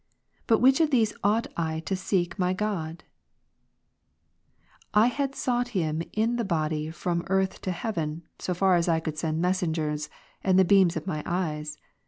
By which of these ovight I to seek my God ? I had sought Him in the body from earth to heaven, so far as I could send messengers, the beams of mine eyes.